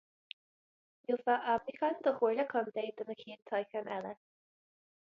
Gheofá ainmniúchán don chomhairle contae do na chéad toghcháin eile.